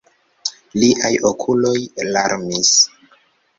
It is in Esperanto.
Liaj okuloj larmis.